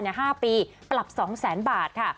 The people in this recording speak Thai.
๕ปีปรับ๒๐๐๐๐บาทค่ะ